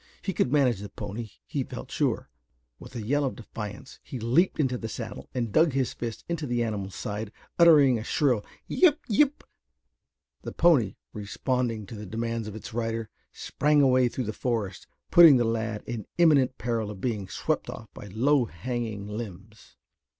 He could manage the pony, he felt sure. With a yell of defiance he leaped into the saddle and dug his fist into the animal's side, uttering a shrill, "yip yip!" The pony, responding to the demands of its rider, sprang away through the forest, putting the lad in imminent peril of being swept off by low hanging limbs.